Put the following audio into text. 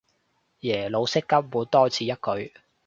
耶魯式根本多此一舉